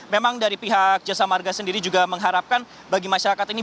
memang dari pihak jasa marga sendiri juga mengharapkan bagi masyarakat ini